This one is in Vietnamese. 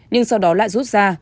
nhưng sau đó lại rút ra